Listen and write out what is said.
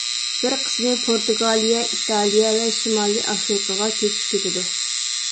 بىر قىسمى پورتۇگالىيە، ئىتالىيە ۋە شىمالىي ئافرىقىغا كۆچۈپ كېتىدۇ.